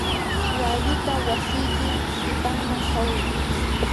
walluta wasiyki qipamman hawi.